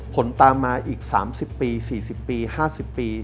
ผลตามมาอีก๓๐ปี๔๐ปี๕๐ปี